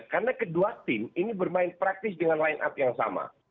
karena kedua tim ini bermain praktis dengan line up yang sama